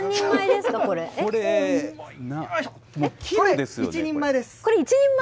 これ、１人前です。